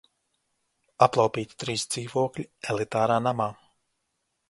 Aplaupīti trīs dzīvokļi elitārā namā!